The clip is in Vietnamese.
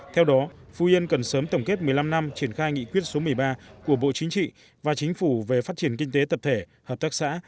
theo đó phú yên cần sớm tổng kết một mươi năm năm triển khai nghị quyết số một mươi ba của bộ chính trị và chính phủ về phát triển kinh tế tập thể hợp tác xã